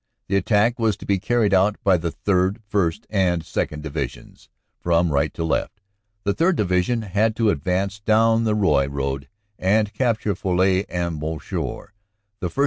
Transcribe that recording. The attack was to be carried out by the 3rd., 1st., and 2nd. Divisions from right to left. The 3rd. Division had to advance down the Roye road and capture Folies and Bouchoir. The 1st.